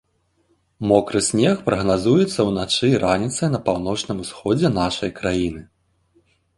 Мокры снег прагназуецца ўначы і раніцай на паўночным усходзе нашай краіны.